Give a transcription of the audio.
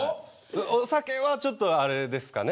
お酒はちょっとあれですかね。